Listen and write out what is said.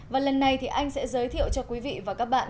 và lần này thì anh sẽ giới thiệu cho quý vị và các bạn